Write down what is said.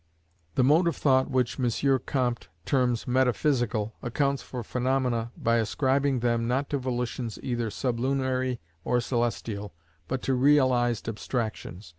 The mode of thought which M. Comte terms Metaphysical, accounts for phaenomena by ascribing them, not to volitions either sublunary or celestial, but to realized abstractions.